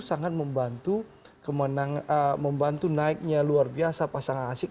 sangat membantu naiknya luar biasa pasangan asik